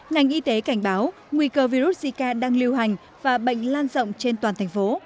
ngành y tế cảnh báo nguy cơ virus zika đang lưu hành và bệnh lan rộng trên toàn thành phố